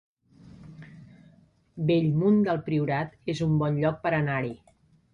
Bellmunt del Priorat es un bon lloc per anar-hi